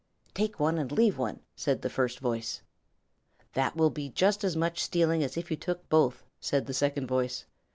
"Take one and leave one," said the first voice. "That will be just as much stealing as if you took both," said the second voice.